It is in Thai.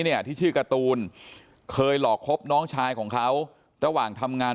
เนี่ยที่ชื่อการ์ตูนเคยหลอกคบน้องชายของเขาระหว่างทำงาน